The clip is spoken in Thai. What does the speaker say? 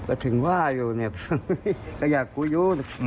ก็ถึงว่าอยู่เนี่ยก็อยากกูอยู่